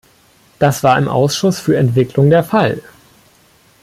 Das war im Ausschuss für Entwicklung der Fall.